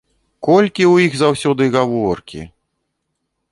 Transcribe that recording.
Колькі ў іх заўсёды гаворкі!